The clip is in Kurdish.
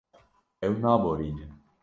Ew neborîne.